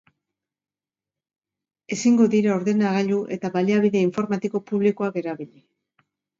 Ezingo dira ordenagailu eta baliabide informatiko publikoak erabili.